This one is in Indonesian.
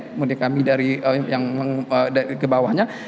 kemudian kami dari yang ke bawahnya